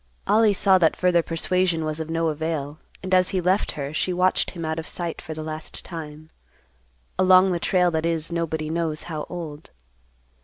Ollie saw that further persuasion was of no avail, and as he left her, she watched him out of sight for the last time—along the trail that is nobody knows how old.